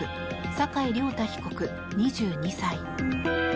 酒井亮太被告、２２歳。